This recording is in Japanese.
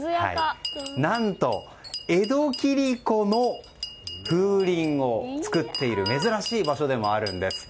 何と、江戸切子の風鈴を作っている珍しい場所でもあるんです。